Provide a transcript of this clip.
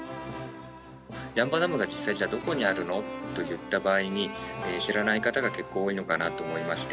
八ッ場ダムが実際、じゃあどこにあるのといった場合に、知らない方が結構多いのかなと思いまして。